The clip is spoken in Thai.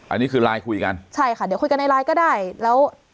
อันนี้คือไลน์คุยกันใช่ค่ะเดี๋ยวคุยกันในไลน์ก็ได้แล้ว